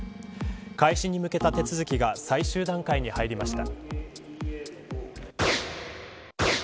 開始に向けた手続きが最終段階に入りました。